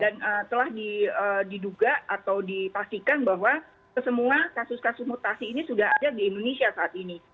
dan telah diduga atau dipastikan bahwa semua kasus kasus mutasi ini sudah ada di indonesia saat ini